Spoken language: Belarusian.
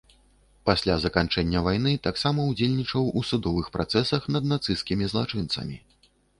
Пасля заканчэння вайны таксама ўдзельнічаў у судовых працэсах над нацысцкімі злачынцамі.